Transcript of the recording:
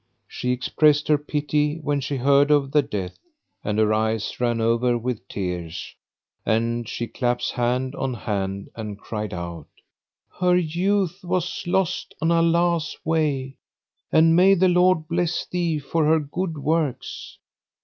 She expressed her pity when she heard of the death, and her eyes ran over with tears and she claps hand on hand and cried out, Her youth was lost on Allah's way,[FN#532] and may the Lord bless thee for her good works!